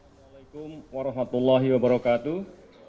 assalamualaikum warahmatullahi wabarakatuh